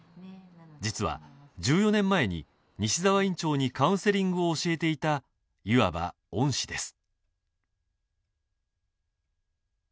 実は１４年前に西澤院長にカウンセリングを教えていたいわば恩師です